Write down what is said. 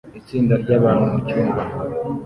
Itsinda ryabantu mucyumba